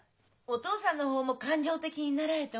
お父さんの方も感情的になられておられますので。